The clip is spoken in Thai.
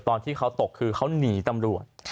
ตอนที่เขาตกคือเขาหนีตำรวจ